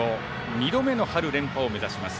２度目の春連覇を目指します。